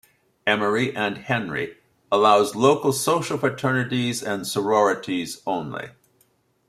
Emory and Henry allows local social fraternities and sororities only.